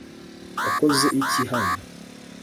wakoze iki hano